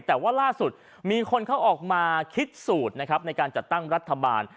แต่ว่าล่าสุดมีคนเขาออกมาคิดสูตรนะครับในการจัดตั้งรัฐบาล